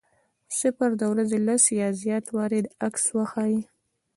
صرف د ورځې لس یا زیات وارې دا عکس وښيي.